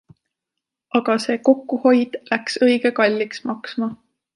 Aga see kokkuhoid läks õige kalliks maksma.